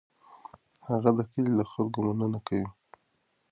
هغه د کلي له خلکو مننه کوي.